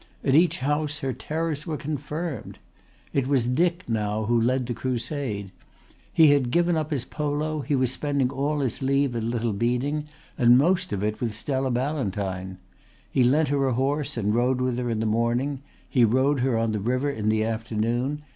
At each house her terrors were confirmed. It was Dick now who led the crusade. He had given up his polo, he was spending all his leave at Little Beeding and most of it with Stella Ballantyne. He lent her a horse and rode with her in the morning, he rowed her on the river in the afternoon.